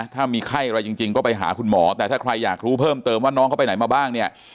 ถ้ามีไข้อะไรจริงก็ไปหาคุณหมอแต่ถ้าใครอยากรู้เพิ่มเติมว่าน้องเขาไปไหนมาบ้างเนี่ย